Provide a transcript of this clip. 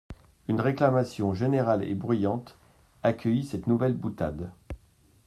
Une réclamation générale et bruyante accueillit cette nouvelle boutade.